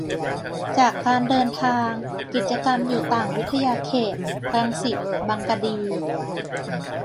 จากการเดินทาง กิจกรรมอยู่ต่างวิทยาเขต รังสิต-บางกะดี